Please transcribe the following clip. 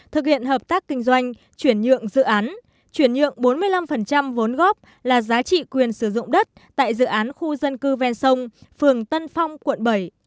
thực hiện hợp tác kinh doanh chuyển nhượng dự án chuyển nhượng bốn mươi năm vốn góp là giá trị quyền sử dụng đất tại dự án khu dân cư ven sông phường tân phong quận bảy